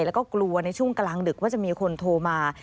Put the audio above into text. แล้วก็กลัวในช่วงกลางดึกว่าจะมีคนโทรมา